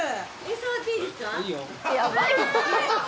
いいよ。